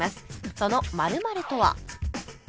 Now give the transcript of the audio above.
その○○とは？